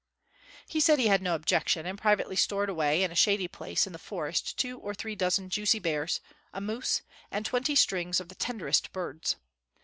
He said he had no objection; and privately stored away, in a shady place in the forest two or three dozen juicy bears, a moose, and twenty strings of the tender est birds.